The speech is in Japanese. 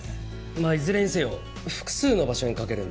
まあいずれにせよ複数の場所にかけるんだ。